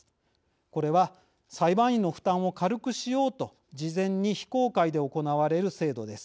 これは裁判員の負担を軽くしようと事前に非公開で行われる制度です。